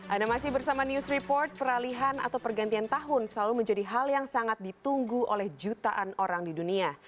anda masih bersama news report peralihan atau pergantian tahun selalu menjadi hal yang sangat ditunggu oleh jutaan orang di dunia